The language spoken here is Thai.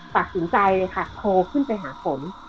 ตัดสินใจเลยค่ะโทรขึ้นไปหาผม